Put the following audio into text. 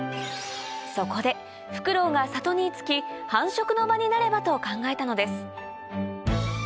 そこでフクロウが里に居着き繁殖の場になればと考えたのです